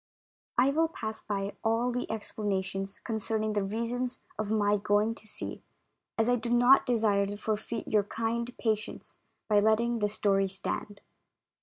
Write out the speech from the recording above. I WILL pass by all the explanations concern ing the reasons of my going to sea, as I do not desire to forfeit your kind patience by letting this story stand.